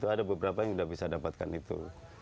ada beberapa yang sudah bisa dapatkan itu